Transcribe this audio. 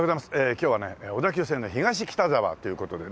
今日はね小田急線の東北沢という事でね。